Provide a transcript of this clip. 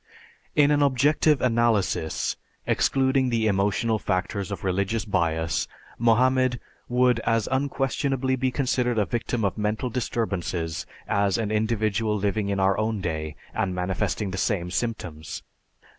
In an objective analysis, excluding the emotional factors of religious bias, Mohammed would as unquestionably be considered a victim of mental disturbances as an individual living in our own day and manifesting the same symptoms.